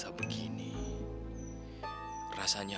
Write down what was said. travel walau berada di tengah